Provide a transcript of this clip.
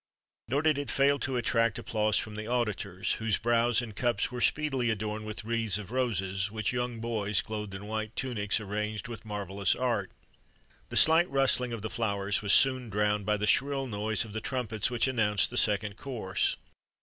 Nor did it fail to attract applause from the auditors, whose brows and cups were speedily adorned with wreaths of roses, which young boys, clothed in white tunics, arranged with marvellous art. The slight rustling of the flowers was soon drowned by the shrill noise of the trumpets which announced the second course.